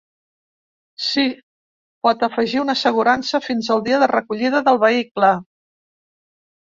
Si, pot afegir una assegurança fins el dia de recollida del vehicle.